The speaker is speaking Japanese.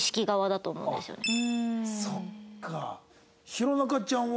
弘中ちゃんは？